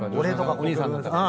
お兄さんだったから。